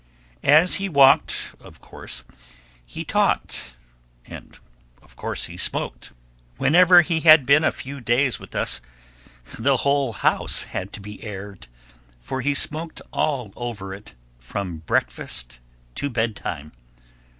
As he walked of course he talked, and of course he smoked. Whenever he had been a few days with us, the whole house had to be aired, for he smoked all over it from breakfast to bedtime.